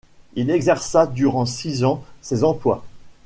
Il exerça durant six ans ces emplois.